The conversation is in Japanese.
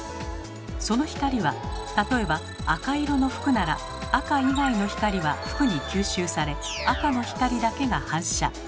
その光は例えば赤色の服なら赤以外の光は服に吸収され赤の光だけが反射。